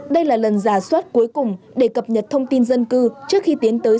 đây là lần giả soát cuối cùng để cập nhật thông tin dân cư trước khi tiến tới